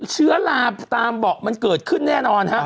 เชื้อลาตามเบาะมันเกิดขึ้นแน่นอนฮะ